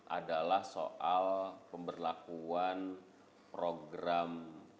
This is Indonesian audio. adalah soal pemberlakuan program